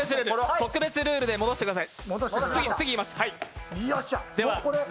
特別ルールで戻してください。